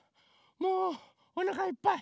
もうおなかいっぱい。